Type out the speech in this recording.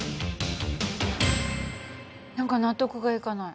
何か納得がいかない。